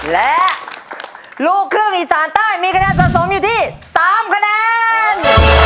และลูกครึ่งอีสานใต้มีคะแนนสะสมอยู่ที่๓คะแนน